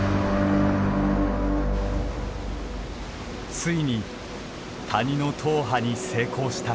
ついに谷の踏破に成功した。